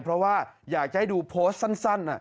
เพราะว่าอยากจะให้ดูโพสต์สั้น